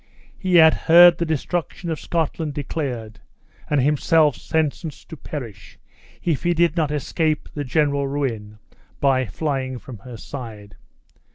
He had heard the destruction of Scotland declared, and himself sentenced to perish if he did not escape the general ruin by flying from her side!